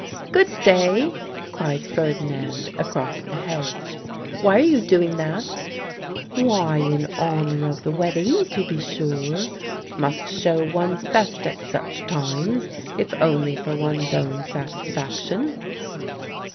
"Good day!" cried Ferdinand across the hedge. "Why are you doing that?" "Why, in honour of the wedding, to be sure. 'Must show one's best at such times, if only for one's own satisfaction."